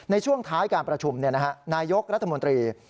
ในช่วงท้ายการประชุมนายกรัฐมนตรี